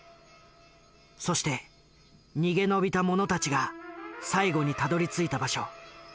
そして逃げ延びた者たちが最後にたどりついた場所